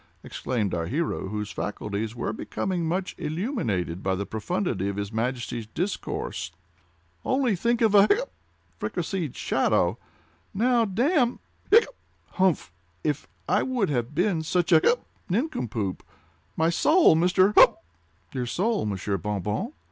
exclaimed our hero, whose faculties were becoming much illuminated by the profundity of his Majesty's discourse. "Only think of a hiccup!—fricasséed shadow!! Now, damme!—hiccup!—humph! If I would have been such a—hiccup!—nincompoop! My soul, Mr.—humph!" "Your soul, Monsieur Bon Bon?"